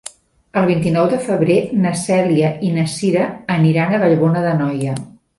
El vint-i-nou de febrer na Cèlia i na Cira aniran a Vallbona d'Anoia.